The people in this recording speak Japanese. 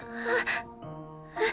えっ！？